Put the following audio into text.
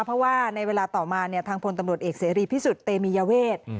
เพราะว่าในเวลาต่อมาเนี่ยทางพลตำรวจเอกเสรีพิสุทธิเตมียเวท